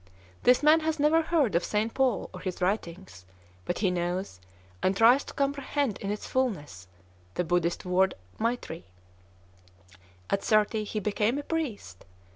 This man has never heard of St. Paul or his writings; but he knows, and tries to comprehend in its fulness, the Buddhist word maitrî. "At thirty he became a priest.